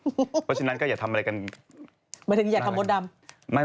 เพราะฉะนั้นก็อย่าทำอะไรกันหมายถึงอย่าทำมดดำ